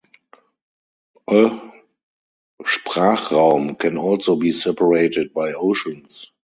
A sprachraum can also be separated by oceans.